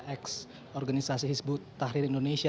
eks organisasi sebut tahrir indonesia